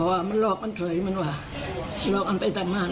ว่าห้าลอกไหนเรามันลาไปต่างห่าง